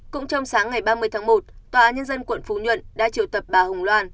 cũng trong sáng ngày ba mươi tháng một tòa án nhân dân quận phú nhuận đã triều tập bà hồng loan